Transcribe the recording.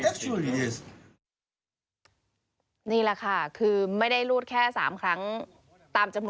อีกบุหรี่ของเขาเกิดมามากก่อน